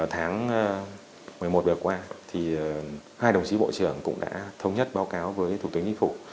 tháng một mươi một vừa qua hai đồng chí bộ trưởng cũng đã thống nhất báo cáo với thủ tướng y phủ